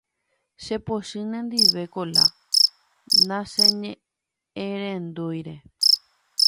chepochy nendive Kola nacheñe'ẽrendúire